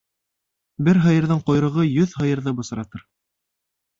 Бер һыйырҙың ҡойроғо йөҙ һыйырҙы бысратыр.